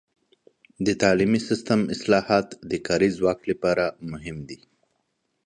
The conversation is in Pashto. د تعلیمي سیستم اصلاحات د کاري ځواک لپاره مهم دي.